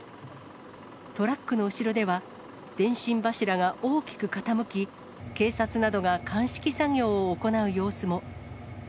トラックの後ろでは、電信柱が大きく傾き、警察などが鑑識作業を行う様子も。